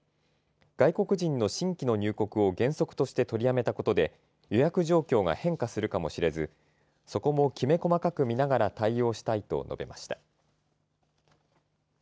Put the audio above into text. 外国人の新規の入国を原則として取りやめたことで予約状況が変化するかもしれずそこもきめ細かく見ながら対応したいと述べました。